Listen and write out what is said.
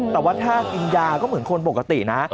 แต่ว่าถ้ากินยาก็เหมือนคนปกตินะ